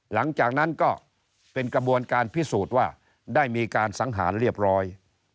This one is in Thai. หลังจากนั้นก็เป็นกระบวนการพิสูจน์ว่าได้มีการสังหารเรียบร้อย